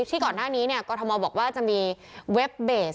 ที่ก่อนหน้านี้กรทมบอกว่าจะมีเว็บเบส